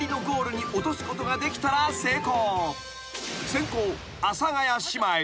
［先攻阿佐ヶ谷姉妹］